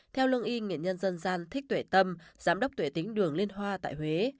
theo lương y nghệ nhân dân gian thích tuệ tâm giám đốc tuệ tính đường liên hoa tại huế